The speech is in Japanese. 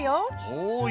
はい。